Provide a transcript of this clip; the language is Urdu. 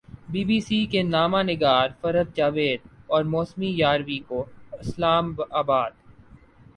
بی بی سی کی نامہ نگار فرحت جاوید اور موسی یاوری کو اسلام آباد